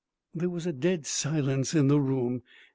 There was a dead silence in the room.